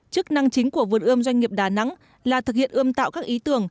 chức năng chính của vườn ươm doanh nghiệp đà nẵng là thực hiện ươm tạo các ý tưởng